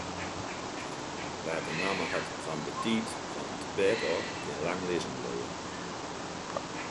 Wa't de namme hat fan betiid fan 't bêd ôf, kin lang lizzen bliuwe.